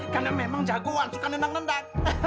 karena memang jagoan suka nendang nendang